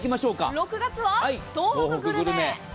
６月は東北グルメ。